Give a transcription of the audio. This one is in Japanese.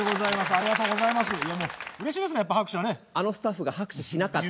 あのスタッフが拍手しなかった。